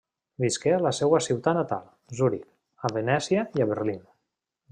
Visqué a la seva ciutat natal, Zuric, a Venècia i a Berlín.